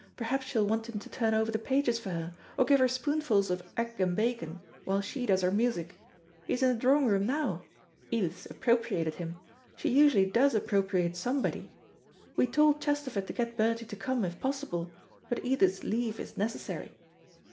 Perhaps she'll want him to turn over the pages for her, or give her spoonfuls of egg and bacon, while she does her music. He's in the drawing room now. Edith's appropriated him. She usually does appropriate somebody. We told Chesterford to get Bertie to come if possible, but Edith's leave is necessary.